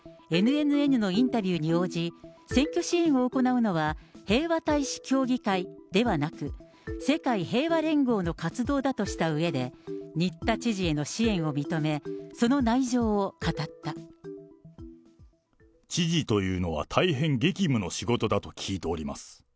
ＮＮＮのインタビューに応じ、選挙支援を行うのは、平和大使協議会ではなく、世界平和連合の活動だとしたうえで、新田知事への支援を認め、そ知事というのは、大変激務の仕事だと聞いております。